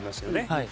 はい。